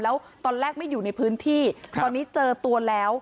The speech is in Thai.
แล้วตอนแรกไม่อยู่ในพื้นที่ตอนนี้เจอตัวแล้ว